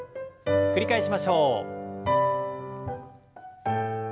繰り返しましょう。